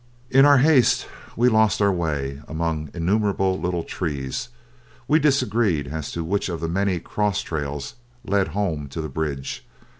In our haste we lost our way among innumerable little trees; we disagreed as to which one of the many cross trails led home to the bridge.